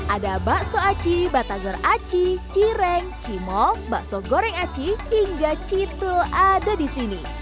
ada bakso aci batang gar aci cireng cimol bakso goreng aci hingga citul ada di sini